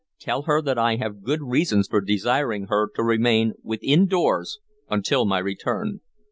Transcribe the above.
Tell her that I have good reasons for desiring her to remain within doors until my return.